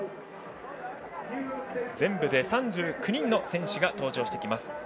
全部で３９人の選手が登場します。